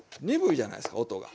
鈍いじゃないですか音が。